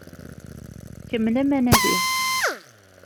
Kemmlem anadi!